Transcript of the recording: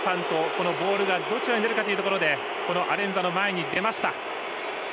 このボールがどちらに出るかというところでアレンザの前に出ました。